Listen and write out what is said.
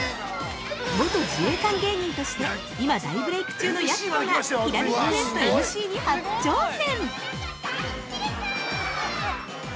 ◆元自衛官芸人として今、大ブレーク中のやす子がひらめきクエストＭＣに初挑戦。